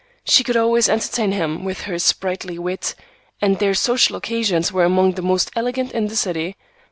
She could always entertain him with her sprightly wit, and their social occasions were among the most elegant in the city.